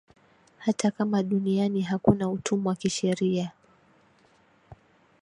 hata kama duniani hakuna utumwa kisheria